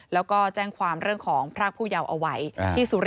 แล้วก็แจ้งความเรื่องของพรากผู้เยาว์เอาไว้ที่สุริน